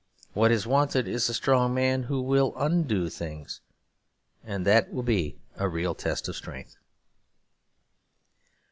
What is wanted is a strong man who will undo things; and that will be a real test of strength.